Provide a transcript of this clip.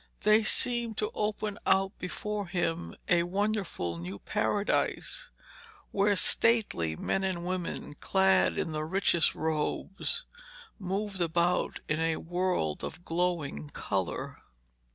They seemed to open out before him a wonderful new Paradise, where stately men and women clad in the richest robes moved about in a world of glowing colour.